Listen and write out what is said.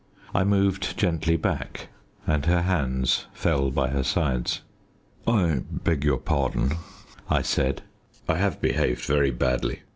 I moved gently back, and her hands fell by her sides. "I beg your pardon," I said. "I have behaved very badly.